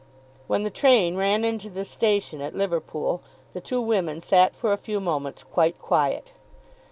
When the train ran into the station at Liverpool the two women sat for a few moments quite quiet.